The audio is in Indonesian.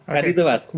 kan itu mas